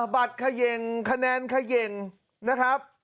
บัตรเขย่งคะแนนเขย่งนะครับ